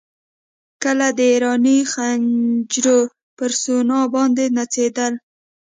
کله د ایراني غجرو پر سورنا باندې نڅېدل.